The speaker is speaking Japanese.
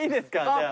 じゃあ。